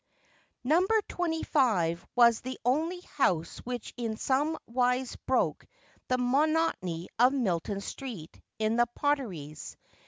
Number twenty five was the only house which in some wise broke the monotony of Milton Street in the Potteries.